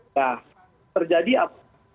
nah terjadi apa